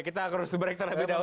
kita harus break terlebih dahulu